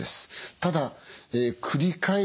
ただ繰り返し